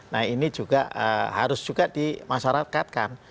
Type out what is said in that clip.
nah ini juga harus juga dimasyarakatkan